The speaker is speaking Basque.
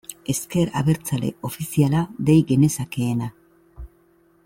Ezker Abertzale ofiziala dei genezakeena.